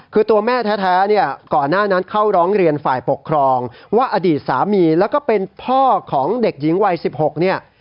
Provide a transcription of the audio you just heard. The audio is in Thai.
คือตัวแม่แท้เนี่ยก่อนหน้านั้นเข้าร้องเรียนฝ่ายปกครองว่าอดีตสามีแล้วก็เป็นพ่อของเด็กหญิงวัย๑๖เนี่ย